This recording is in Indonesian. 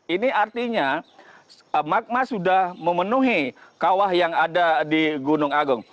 ini artinya magma sudah memenuhi kawah yang ada di gunung agung